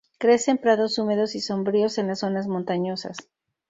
Crece en prados húmedos y sombríos en las zonas montañosas.